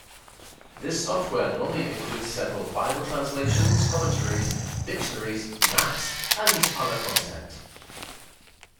This software normally includes several Bible translations, commentaries, dictionaries, maps and other content.